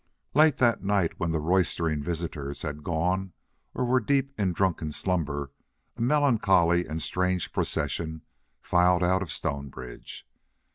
Late that night, when the roystering visitors had gone or were deep in drunken slumber, a melancholy and strange procession filed out of Stonebridge.